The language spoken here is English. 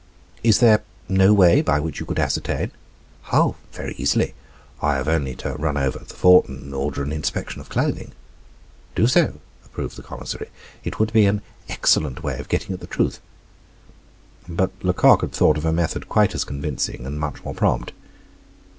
"Is there no way by which you could ascertain?" "Oh! very easily. I have only to run over to the fort and order an inspection of clothing." "Do so," approved the commissary; "it would be an excellent way of getting at the truth." But Lecoq had just thought of a method quite as convincing, and much more prompt.